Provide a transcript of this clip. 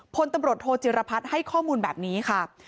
พลตำรวจโทจิรพัฒน์ให้ข้อมูลแบบนี้ค่ะ